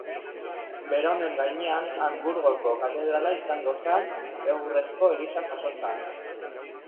Beronen gainean Hanburgoko katedrala izango zen egurrezko eliza jaso zen.